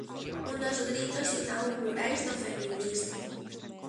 Un dos gritos inaugurais do feminismo.